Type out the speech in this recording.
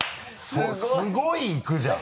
すごいいくじゃん！